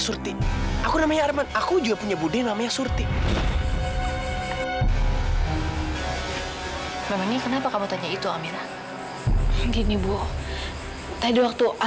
sampai jumpa di video selanjutnya